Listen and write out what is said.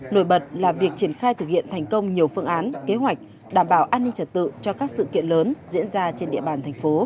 nổi bật là việc triển khai thực hiện thành công nhiều phương án kế hoạch đảm bảo an ninh trật tự cho các sự kiện lớn diễn ra trên địa bàn thành phố